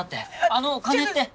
あのお金って。